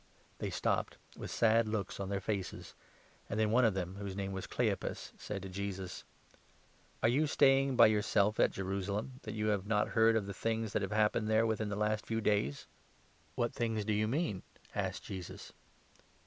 They stopped, with sad looks on their faces, and then one of 18 them, whose name was Cleopas, said to Jesus : "Are you staying by yourself at Jerusalem, that you have not heard of the things that have happened there within the last few days ?" LUKE, 24. 161 "What things do you mean ?" asked Jesus.